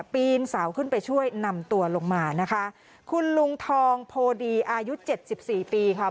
ปีนสาวขึ้นไปช่วยนำตัวลงมานะคะคุณลุงทองโพดีอายุ๗๔ปีค่ะ